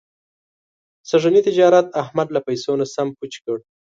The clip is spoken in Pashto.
سږني تجارت احمد له پیسو نه سم پوچ کړ.